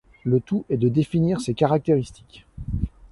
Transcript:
Le tout est de définir ces caractéristiques.